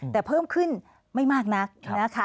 แต่เพิ่มขึ้นไม่มากนักนะคะ